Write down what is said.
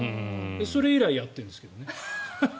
それ以来やってるんですけどね。